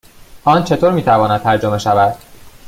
آن چطور می تواند ترجمه شود؟